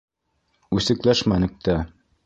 Үсекләшмәнек тә.